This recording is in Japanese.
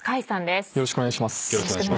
よろしくお願いします。